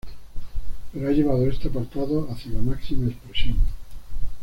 Pero ha llevado este apartado hacia la máxima expresión.